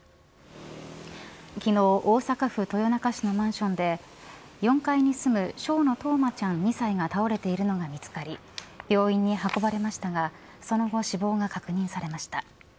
昨日大阪府豊中市のマンションで４階に住む昌野任真ちゃん２歳が倒れているのが見つかり病院に運ばれましたがその後、死亡が確認されました。